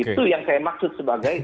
itu yang saya maksud sebagai